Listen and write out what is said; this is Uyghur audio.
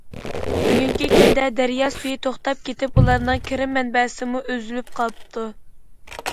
بۈگۈنكى كۈندە دەريا سۈيى توختاپ كېتىپ، ئۇلارنىڭ كىرىم مەنبەسىمۇ ئۈزۈلۈپ قاپتۇ.